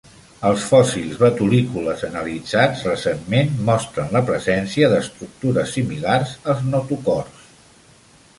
Els fòssils vetulícoles analitzats recentment mostren la presència d'estructures similars als notocords.